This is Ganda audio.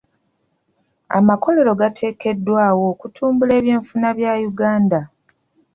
Amakolero gateekeddwawo okutumbula ebyenfuna bya Uganda.